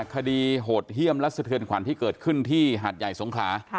คดีโหดเยี่ยมและเสถียรขวัญที่เกิดขึ้นที่หัดใหญ่สงขา